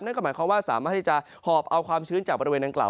นั่นก็หมายความว่าสามารถที่จะหอบเอาความชื้นจากบริเวณดังกล่า